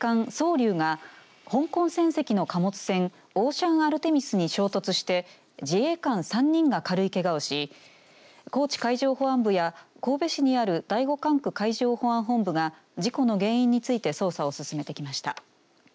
りゅうが香港船籍の貨物船オーシャンアルテミスに衝突して自衛官３人が軽いけがをし高知海上保安部や神戸市にある第５管区海上保安本部が事故の原因について捜査を進めてきました。